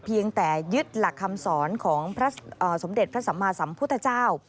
เพียงแต่ยึดหลักคำสอนของพระสมเด็จพระสัมมาสัมพุทธเจ้า